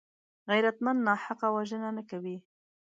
غیرتمند ناحقه وژنه نه کوي